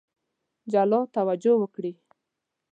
جلا توجه وکړي.